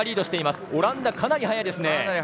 オランダ、かなり速いですね。